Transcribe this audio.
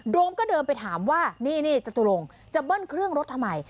มก็เดินไปถามว่านี่จตุรงค์จะเบิ้ลเครื่องรถทำไม